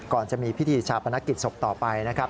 จะมีพิธีชาปนกิจศพต่อไปนะครับ